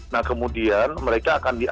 nah kemudian mereka akan diangkat